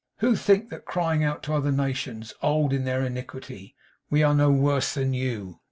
Who think that crying out to other nations, old in their iniquity, 'We are no worse than you!